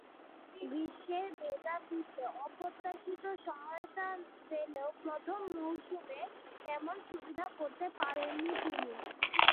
গ্রীষ্মের ভেজা পিচে অপ্রত্যাশিত সহায়তা পেলেও প্রথম মৌসুমে তেমন সুবিধে করতে পারেননি তিনি।